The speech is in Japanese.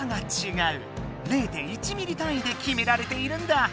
０．１ミリたんいできめられているんだ。